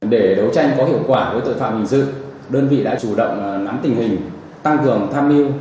để đấu tranh có hiệu quả với tội phạm hình sự đơn vị đã chủ động nắm tình hình tăng cường tham mưu